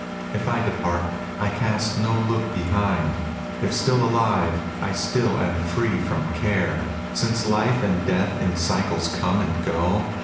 If I depart, I oast no look behind ; If still alive, I still am free from care. Since life and death in cycles come and go.